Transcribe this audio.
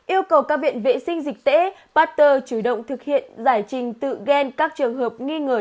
yêu cầu các viện vệ sinh dịch tễ pasteur chủ động thực hiện giải trình tự ghen các trường hợp nghi ngờ